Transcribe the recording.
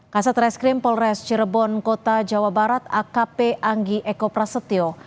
kasat reskrim polres cirebon kota jawa barat akp anggi eko prasetyo